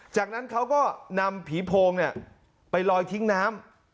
จากนั้นเขาก็นำผีโพงไปลอยทิ้งน้ำ